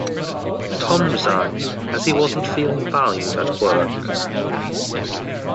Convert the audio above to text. Tom resigned, as he wasn't feeling valued at work.